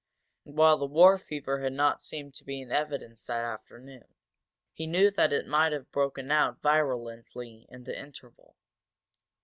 And, while the war fever had not seemed to be in evidence that afternoon, he knew that it might have broken out virulently in the interval.